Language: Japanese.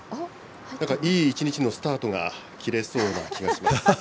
なんかいい一日のスタートが切れそうな気がします。